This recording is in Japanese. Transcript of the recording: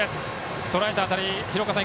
とらえた当たり、廣岡さん